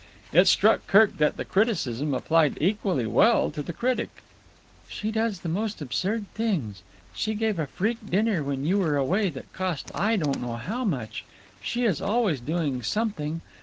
It struck Kirk that the criticism applied equally well to the critic. "She does the most absurd things. She gave a freak dinner when you were away that cost I don't know how much. She is always doing something.